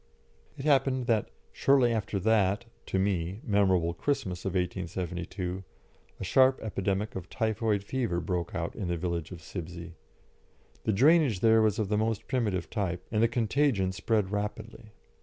It happened that, shortly after that (to me) memorable Christmas of 1872, a sharp epidemic of typhoid fever broke out in the village of Sibsey. The drainage there was of the most primitive type, and the contagion spread rapidly.